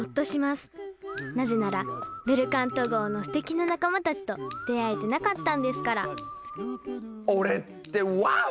なぜならベルカント号のすてきな仲間たちと出会えてなかったんですから俺ってワオ！